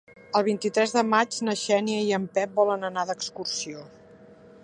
El vint-i-tres de maig na Xènia i en Pep volen anar d'excursió.